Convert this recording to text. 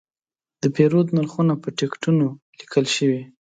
د پیرود نرخونه په ټکټونو لیکل شوي.